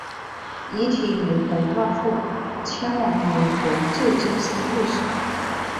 遗体于火化后迁往美国旧金山寓所。